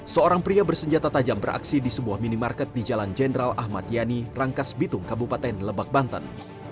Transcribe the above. seorang pria bersenjata tajam beraksi di sebuah minimarket di jalan jenderal ahmad yani rangkas bitung kabupaten lebak banten